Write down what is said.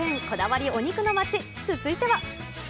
こだわりお肉の街、続いては。